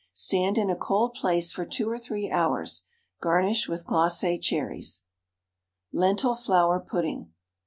Stand in a cold place for 2 or 3 hours. Garnish with glacé cherries. LENTIL FLOUR PUDDING.